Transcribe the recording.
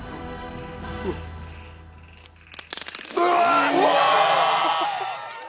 うわ！